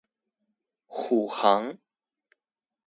虎航